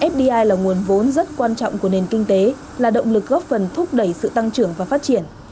fdi là nguồn vốn rất quan trọng của nền kinh tế là động lực góp phần thúc đẩy sự tăng trưởng và phát triển